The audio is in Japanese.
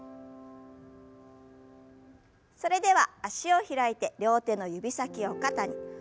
それでは脚を開いて両手の指先を肩に。